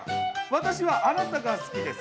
「私はあなたが好きです。